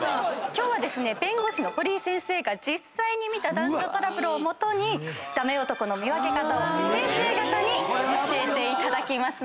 今日は弁護士の堀井先生が実際に見た男女トラブルを基にダメ男の見分け方を先生方に教えていただきますので。